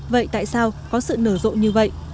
vậy tại sao có sự nở rộ như vậy